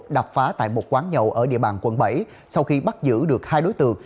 đập phá tại một quán nhậu ở địa bàn quận bảy sau khi bắt giữ được hai đối tượng